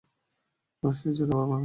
না, সে যেতে পারে না।